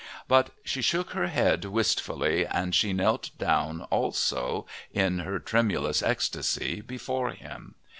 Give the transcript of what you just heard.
But she shook her head wistfully, and she knelt down, also, in her tremulous ecstasy, before him.